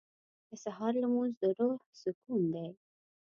• د سهار لمونځ د روح سکون دی.